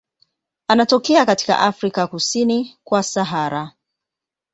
Anatokea katika Afrika kusini kwa Sahara.